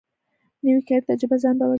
نوې کاري تجربه ځان باور زیاتوي